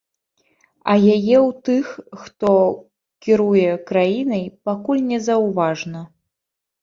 А яе ў тых, хто кіруе краінай, пакуль не заўважна.